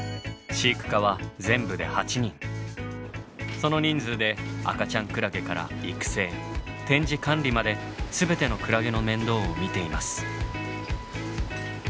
その人数で赤ちゃんクラゲから育成展示管理まで全てのクラゲの面倒を見ています。